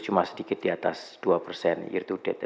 cuma sedikit di atas dua persen year to date